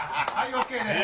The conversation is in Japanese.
ＯＫです！